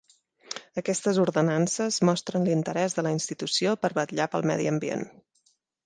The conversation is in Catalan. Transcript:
Aquestes ordenances mostren l'interès de la institució per vetllar pel medi ambient.